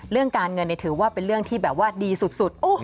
เรื่องการเงินถือว่าเป็นเรื่องที่แบบว่าดีสุด